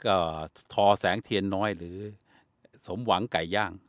ก็ทอแสงเทียนน้อยหรือสมหวังไก่ย่าง